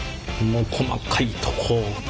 もう細かいとこをねっ。